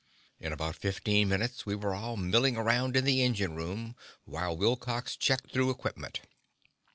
In about fifteen minutes, we were all milling around in the engine room, while Wilcox checked through equipment.